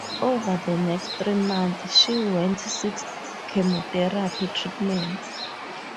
Over the next three months she went six chemotherapy treatments.